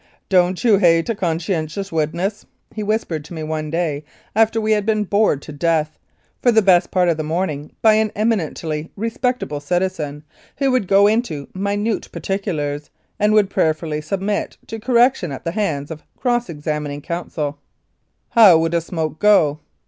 "Don't you hate a conscientious witness," he whispered to me one day after we had been bored to death, for the best part of the morning, by an eminently respectable citizen who would go into minute particulars and would prayerfully submit to correction at the hands of cross examining counsel. "How would a smoke go?"